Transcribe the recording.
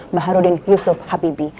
mbah harudin yusuf habibi